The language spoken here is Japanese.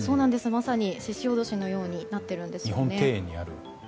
まさに鹿威しのようになっているんですね。